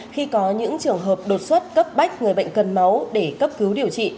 khi có những trường hợp đột xuất cấp bách người bệnh cần máu để cấp cứu điều trị